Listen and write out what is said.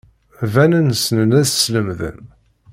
Banen ssnen ad slemden.